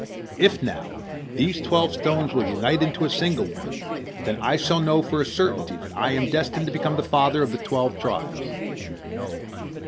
If, now, these twelve stones will unite into a single one, then shall I know for a certainty that I am destined to become the father of the twelve tribes."